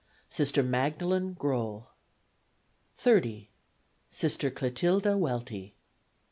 Sister Magdalen Groell. 30. Sister Cletilda Welty.